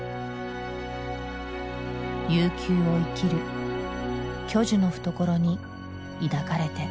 悠久を生きる巨樹の懐に抱かれて。